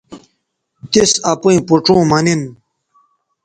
تِس اپئیں پوڇوں مہ نن